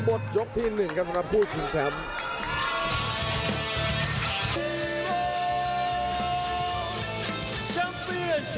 กับบทยกที่หนึ่งกับสำหรับผู้ชิงแชมป์